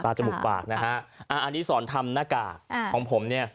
จมูกปากนะฮะอ่าอันนี้สอนทำหน้ากากของผมเนี่ย